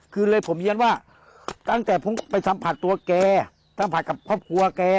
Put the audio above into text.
คือเลยผมยืนว่าตั้งแต่ผมไปถ้ำผัดตัวแกถ้ำผัดกับครอบครัวแก